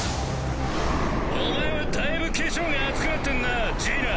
お前はだいぶ化粧が厚くなってんなジーナ。